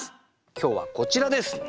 今日はこちらです。